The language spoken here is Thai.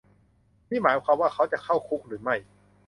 นี่หมายความว่าเขาจะเข้าคุกหรือไม่